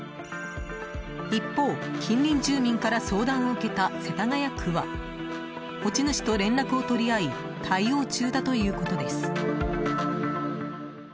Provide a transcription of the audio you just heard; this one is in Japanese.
一方、近隣住民から相談を受けた世田谷区は持ち主と連絡を取り合い対応中だということです。